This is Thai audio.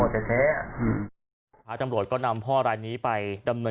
ฉะนั้นผมก็ไม่มีอะไรอยู่